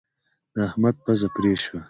د احمد پزه پرې شوه.